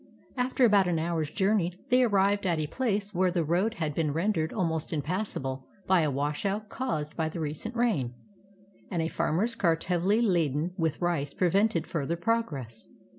After about an hour's journey, they arrived at a place where the road had been rendered almost impassable by a washout caused by the recent rain, and a farmer's cart hea\ily laden with rice prevented further progress.